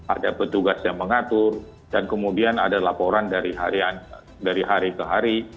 ada petugas yang mengatur dan kemudian ada laporan dari hari ke hari